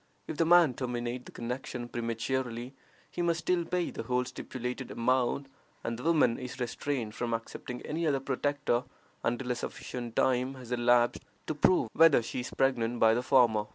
If the man terminate the connection prematurely, he must still pay the whole stipulated amount, and the woman is restrained from accepting any other protector until a sufficient time has elapsed to prove whether she is pregnant by the former.